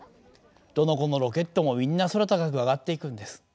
どの子のロケットもみんな空高く上がっていくんです。